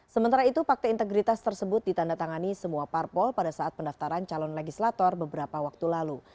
sementara itu fakta integritas tersebut ditandatangani semua parpol pada saat pendaftaran calon legislator beberapa waktu lalu